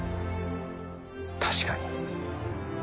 確かに。